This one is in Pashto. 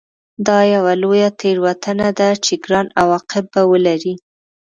دا یوه لویه تېروتنه ده چې ګران عواقب به ولري